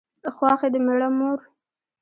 خواښې د مېړه مور